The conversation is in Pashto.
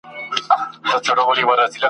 زرکي وویل زما ژوند به دي په کار سي ..